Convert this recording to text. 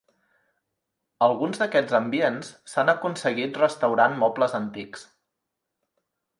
Alguns d'aquests ambients s'han aconseguit restaurant mobles antics.